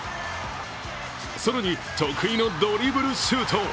更に、得意のドリブルシュート。